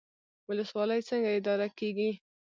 ولسوالۍ څنګه اداره کیږي؟